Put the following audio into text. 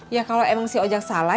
ya kalau emang si ojek salah